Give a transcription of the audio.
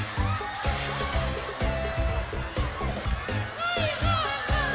はいはいはい。